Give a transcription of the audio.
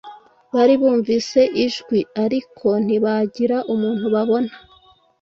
bari bumvise ijwi l ariko ntibagira umuntu babona